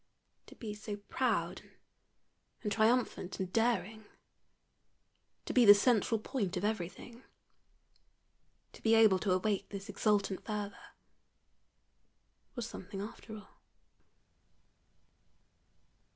To be so proud and triumphant and daring to be the central point of everything to be able to awake this exultant fervor was something after all.